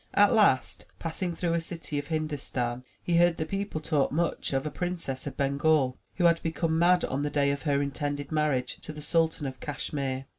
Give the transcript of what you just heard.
At last, passing through a city of Hindustan, he heard the people talk much of a Princess of Bengal who had become mad on the day of her intended marriage to the Sultan of Cashmere.